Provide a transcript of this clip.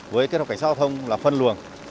với kết hợp cảnh giao thông là phân luồng